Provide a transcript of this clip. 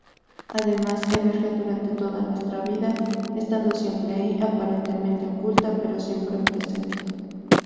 Además, emerge durante toda nuestra vida, estando siempre ahí, aparentemente oculta, pero siempre presente.